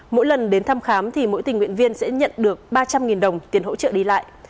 mỗi lần đến thăm khám thì mỗi tình nguyện viên sẽ nhận được ba trăm linh đồng tiền hỗ trợ đi lại